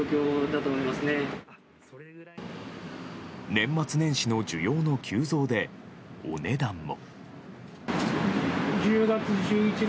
年末年始の需要の急増でお値段も。